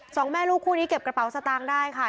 สองแม่ลูกคู่นี้เก็บกระเป๋าสตางค์ได้ค่ะ